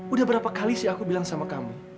udah berapa kali sih aku bilang sama kami